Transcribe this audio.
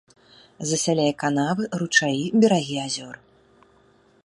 Засяляе канавы, ручаі, берагі азёр.